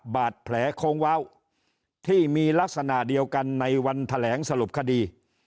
บาดแผลโค้งเว้าที่มีลักษณะเดียวกันในวันแถลงสรุปคดี